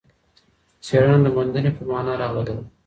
څېړنه د موندنې په مانا راغلې ده.